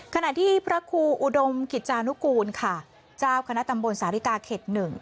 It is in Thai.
ขณะที่พระครูอุดมกิจจานุกูลค่ะเจ้าคณะตำบลสาริกาเข็ด๑